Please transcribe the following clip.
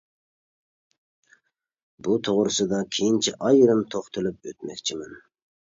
بۇ توغرىسىدا كېيىنچە ئايرىم توختىلىپ ئۆتمەكچىمەن.